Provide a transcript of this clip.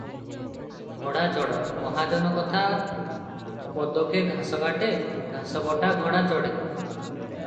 ଘୋଡ଼ାଚଢ଼; ମହାଜନ କଥା ପଦକେ ଘାସ କାଟେ-ଘାସକଟା ଘୋଡ଼ା ଚଢ଼େ ।